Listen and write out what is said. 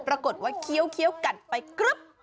ปรากฏว่าเคี้ยวกัดไปกรึ๊บ